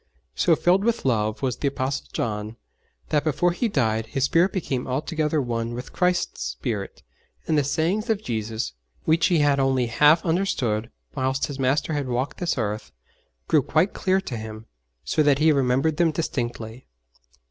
So filled with love was the Apostle John that before he died his spirit became altogether one with Christ's spirit, and the sayings of Jesus, which he had only half understood whilst his Master had walked this earth, grew quite clear to him, so that he remembered them distinctly.